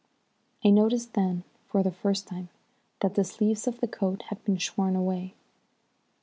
I noticed then, for the first time, that the sleeves of the coat had been shorn away.